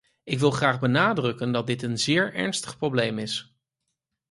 Ik wil graag benadrukken dat dit een zeer ernstig probleem is.